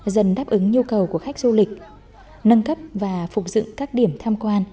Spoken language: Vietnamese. dần đáp ứng nhu cầu của khách du lịch nâng cấp và phục dựng các điểm tham quan